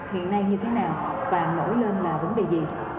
hiện nay như thế nào và nổi lên là vấn đề gì